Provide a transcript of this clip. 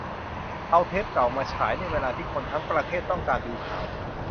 เอาเทปเก่ามาฉาย ในเวลาที่คนทั้งประเทศต้องการดูข่าว